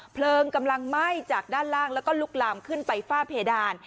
เพลิงกำลังไหม้จากด้านล่างแล้วก็ลุกลามขึ้นไปฝ้าเพดาน